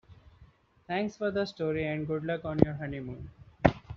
Thanks for the story and good luck on your honeymoon.